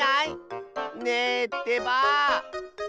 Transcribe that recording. ねえってばぁ！